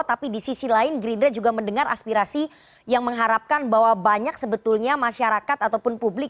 tapi di sisi lain gerindra juga mendengar aspirasi yang mengharapkan bahwa banyak sebetulnya masyarakat ataupun publik